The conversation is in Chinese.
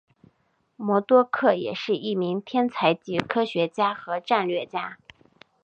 魔多客也是一名天才级科学家和战略家。